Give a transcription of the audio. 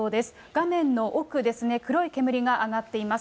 画面の奥ですね、黒い煙が上がっています。